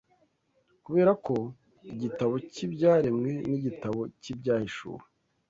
Kubera ko igitabo cy’ibyaremwe n’igitabo cy’Ibyahishuwe